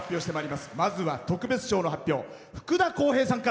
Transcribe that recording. まずは特別賞の発表。